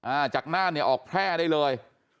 อ่าจากน่านเนี่ยออกแพร่ได้เลย